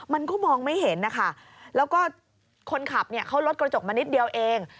มันก็มองไม่เห็นนะคะแล้วก็คนขับเนี่ยเขาลดกระจกมานิดเดียวเอง